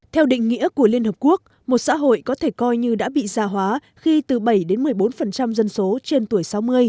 theo định nghĩa của liên hợp quốc một xã hội có thể coi như đã bị già hóa khi từ bảy đến một mươi bốn dân số trên tuổi sáu mươi